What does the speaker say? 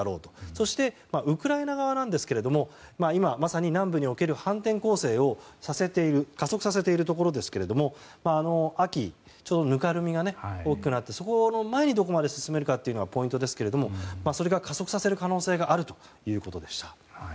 そして、ウクライナ側ですが今まさに南部における反転攻勢を加速させているところですが秋、ちょうどぬかるみが多くなってその前にどこまで進めるかがポイントですけれども加速させる可能性があるということでした。